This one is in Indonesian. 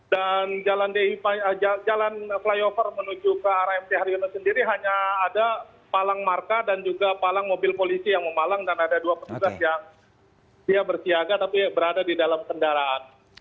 dan jalan flyover menuju ke arah mc haryono sendiri hanya ada palang marka dan juga palang mobil polisi yang memalang dan ada dua petugas yang bersiaga tapi berada di dalam kendaraan